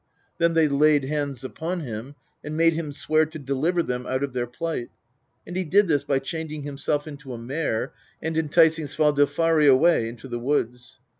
Then they laid hands upon him, and made him swear to deliver them out of their plight ; and he did this by changing himself into a mare, and enticing Svadilfari away into the woods.